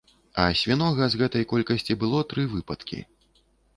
А свінога з гэтай колькасці было тры выпадкі.